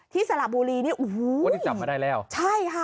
ที่สระบุรีนี่ว้าวนี่จับมาได้แล้วใช่ค่ะ